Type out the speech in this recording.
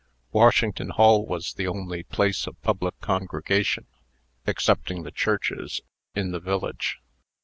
Washington Hall was the only place of public congregation, excepting the churches, in the village.